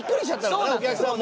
お客さんも。